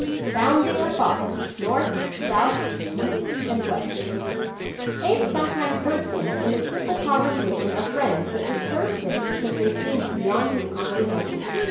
"BOUNDING A THOUGHT NORTH, SOUTH, EAST AND WEST" Abe sometimes heard things in the simple conversation of friends that disturbed him because they seemed beyond his comprehension.